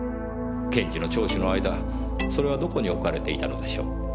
検事の聴取の間それはどこに置かれていたのでしょう？